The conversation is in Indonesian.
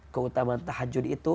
keutamaan tahajud itu